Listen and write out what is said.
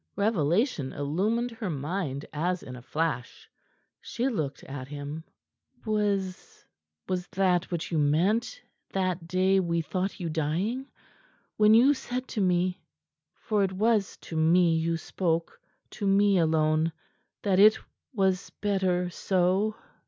Revelation illumined her mind as in a flash. She looked at him. "Was was that what you meant, that day we thought you dying, when you said to me for it was to me you spoke, to me alone that it was better so?"